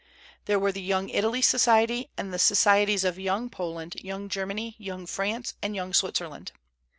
There were the "Young Italy" Society, and the societies of "Young Poland," "Young Germany," "Young France," and "Young Switzerland."